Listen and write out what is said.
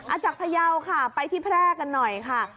จากพยาวค่ะไปที่แพร่กันหน่อยค่ะ